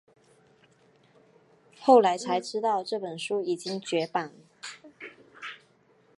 后来才知道这本书已经绝版